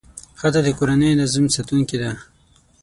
ښځه د کورنۍ د نظم ساتونکې ده.